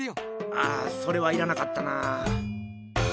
ああそれはいらなかったなあ。